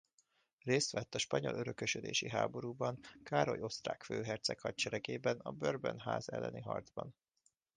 Részt vett a spanyol örökösödési háborúban Károly osztrák főherceg hadseregében a Bourbon-ház elleni harcban.